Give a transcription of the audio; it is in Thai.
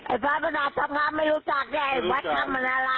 ไอ้พระประสาทท็อกคำไม่รู้จักเนี่ยไอ้วัดคำมันอะไรรู้จักไหม